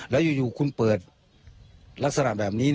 แล้วอยู่คุณเปิดลักษณะแบบนี้